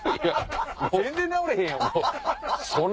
全然治れへんやん！